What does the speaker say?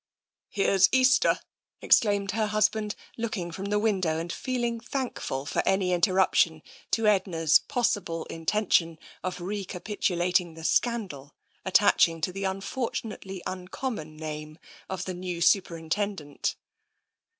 " Here's Easter !" exclaimed her husband, looking from the window and feeling thankful for any inter ruption to Edna's possible intention of recapitulating the scandal attaching to the unfortunately uncommon name of the new Superintendent.